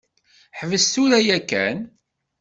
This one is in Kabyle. Ḥbes tura yakan.